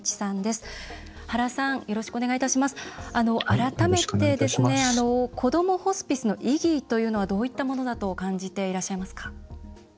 改めて、こどもホスピスの意義というのはどういったものだと感じていらっしゃいますか？